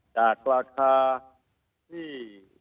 จากราคาที่